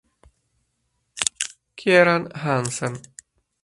Kieran Hansen